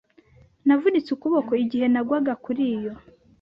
Navunitse ukuboko igihe nagwa kuri yo.